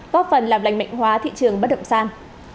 góp phần làm lành mạnh hóa thị trường bất động sản